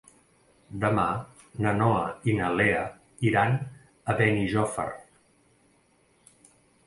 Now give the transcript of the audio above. Demà na Noa i na Lea iran a Benijòfar.